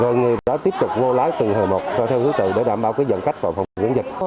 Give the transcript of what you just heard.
rồi người ta tiếp tục vô lái từ hồi một ra theo thứ tự để đảm bảo dẫn khách vào phòng truyền dịch